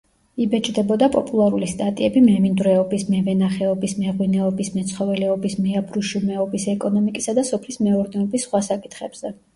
იბეჭდებოდა პოპულარული სტატიები მემინდვრეობის, მევენახეობის, მეღვინეობის, მეცხოველეობის, მეაბრეშუმეობის, ეკონომიკისა და სოფლის მეურნეობის სხვა საკითხებზე.